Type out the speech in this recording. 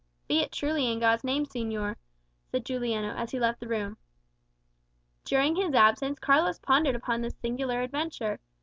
"Be it truly in God's name, señor," said Juliano, as he left the room. During his absence Carlos pondered upon this singular adventure.